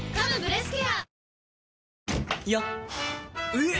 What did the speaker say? えっ！